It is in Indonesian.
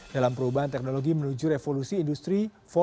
dalam perubahan teknologi menuju revolusi industri empat